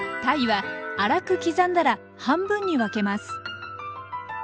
たいは粗く刻んだら半分に分けます。